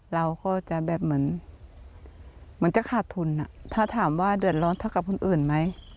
เราก็จะแบบเหมือนจะขาดทุนถ้าถามว่าเดือดร้อนเท่ากับคนอื่นไหม